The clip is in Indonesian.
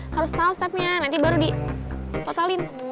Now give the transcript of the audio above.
harus tahu stepnya nanti baru ditotalin